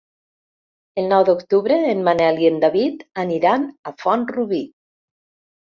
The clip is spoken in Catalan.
El nou d'octubre en Manel i en David aniran a Font-rubí.